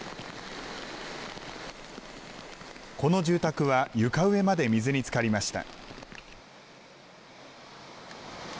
この住宅は床上まで水につかりました。